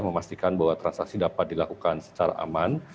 memastikan bahwa transaksi dapat dilakukan secara aman